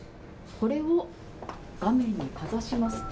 これを画面にかざしますと。